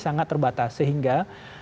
sangat terbatas sehingga